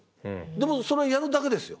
でもそれやるだけですよ。